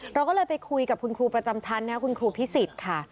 เราก็เลยไปคุยกับคุณครูประจำชั้นคุณครูพิสิทธิ์ค่ะ